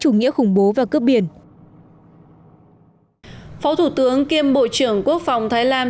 chủ nghĩa khủng bố và cướp biển phó thủ tướng kiêm bộ trưởng quốc phòng thái lan